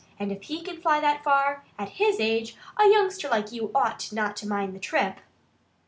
And if he can fly that far, at his age, a youngster like you ought not to mind the trip."